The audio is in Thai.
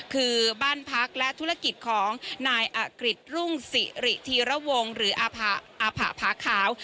คือบ้านพักและธุรกิจของนายอากฤษรุ่งสิริธีระวงหรืออาผะผาขาว